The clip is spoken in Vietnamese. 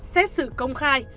xét xử công khai